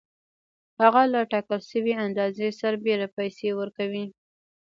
هغه له ټاکل شوې اندازې سربېره پیسې ورکوي